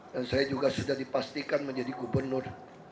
dan saya juga sudah dipastikan menjadi gubernur